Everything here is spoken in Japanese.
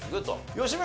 吉村